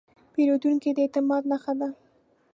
پیرودونکی د اعتماد نښه ده.